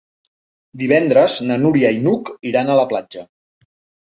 Divendres na Núria i n'Hug iran a la platja.